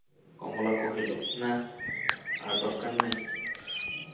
কমলা কহিল, না, আর দরকার নাই।